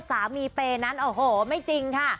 สามีเพนั้นโอ้โหไม่จริงค่ะ